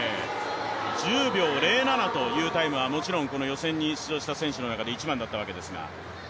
１０秒０７というタイムはもちろん予選に出場した選手の中では一番だったわけですが。